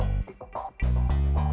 aduh boleh kebawa